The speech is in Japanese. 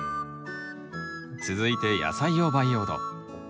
続いて野菜用培養土。